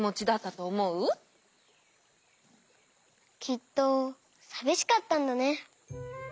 きっとさびしかったんだね。